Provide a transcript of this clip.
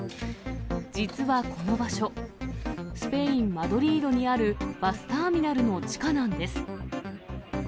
実はこの場所、スペイン・マドリードにあるバスターミナルの地下なんです。